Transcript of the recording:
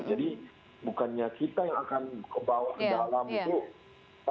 jadi bukannya kita yang akan ke bawah ke dalam itu